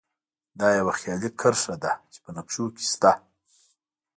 دا یوه خیالي کرښه ده چې په نقشو کې شته